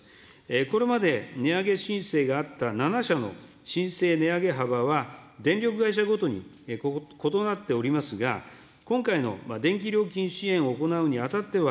これまで、値上げ申請があった７社の申請値上げ幅は、電力会社ごとに異なっておりますが、今回の電気料金支援を行うにあたっては、